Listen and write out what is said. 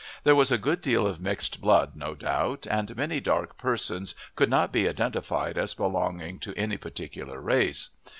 There was a good deal of mixed blood, no doubt, and many dark persons could not be identified as belonging to any particular race.